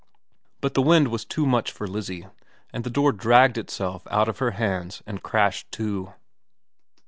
' But the wind was too much for Lizzie, and the door dragged itself out of her hands and crashed to.